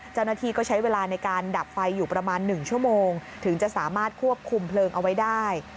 เจ้าหน้าที่ก็ใช้เวลาในการดับไฟอยู่ประมาณ๑ชั่วโมงถึงจะสามารถควบคุมเพลิงเอาไว้ได้